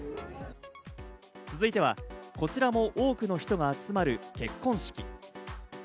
続いては、こちらも多くの人が集まる結婚式。